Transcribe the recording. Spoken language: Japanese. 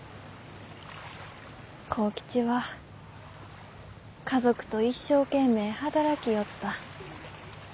幸吉は家族と一生懸命働きよった。